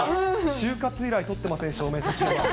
就活以来撮ってません、証明写真は。